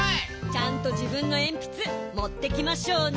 ちゃんとじぶんのえんぴつもってきましょうね。